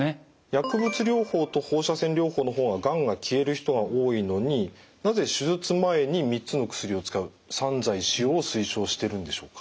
薬物療法と放射線療法の方ががんが消える人が多いのになぜ手術前に３つの薬を使う３剤使用を推奨してるんでしょうか？